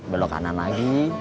belok kanan lagi